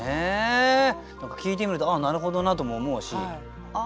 聞いてみるとあっなるほどなとも思うしああ